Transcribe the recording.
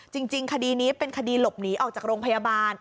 จริงคดีนี้เป็นคดีหลบหนีออกจากโรงพยาบาล